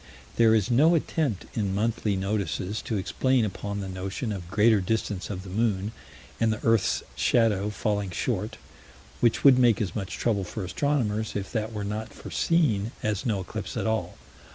There is no attempt in Monthly Notices to explain upon the notion of greater distance of the moon, and the earth's shadow falling short, which would make as much trouble for astronomers, if that were not foreseen, as no eclipse at all.